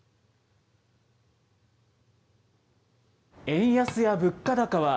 円安や物価高は、